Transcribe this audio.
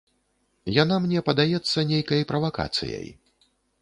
Яна мне падаецца нейкай правакацыяй.